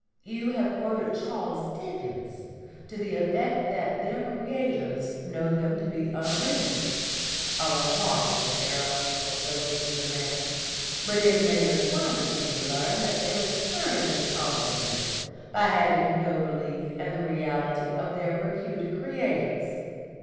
You have quoted Charles Dickens to the effect that their creators know them to be unreal a remarkable error for so gifted a man. But it may astonish you to learn that they return the compliment by having no belief in the reality of their reputed creators.